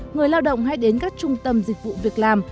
người lao động hay đến các trung tâm dịch vụ việc làm